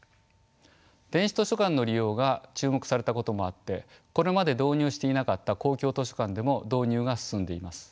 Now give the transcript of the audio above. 電子図書館の利用が注目されたこともあってこれまで導入していなかった公共図書館でも導入が進んでいます。